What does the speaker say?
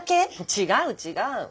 違う違う。